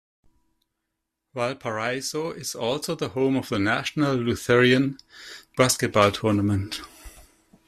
Valparaiso is also the home of the National Lutheran Basketball Tournament.